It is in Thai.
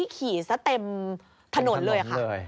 พี่ขี้เสียเต็มถนนเลย